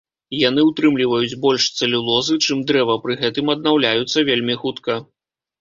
Яны ўтрымліваюць больш цэлюлозы, чым дрэва, пры гэтым аднаўляюцца вельмі хутка.